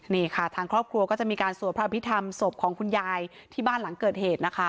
นี่ค่ะทางครอบครัวก็จะมีการสวดพระพิธรรมศพของคุณยายที่บ้านหลังเกิดเหตุนะคะ